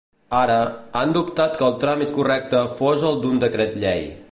Ara, han dubtat que el tràmit correcte fos el d’un decret llei.